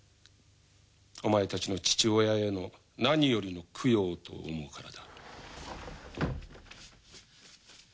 お前たちの父親への何よりの供養と思うからだ。